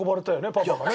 パパがね。